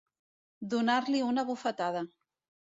Donar-li una bufetada.